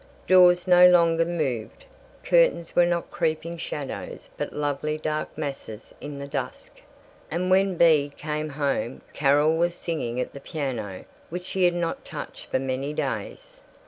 Doors no longer moved; curtains were not creeping shadows but lovely dark masses in the dusk; and when Bea came home Carol was singing at the piano which she had not touched for many days.